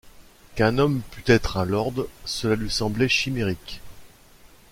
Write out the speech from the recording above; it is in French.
Qu’un homme pût être un lord, cela lui semblait chimérique.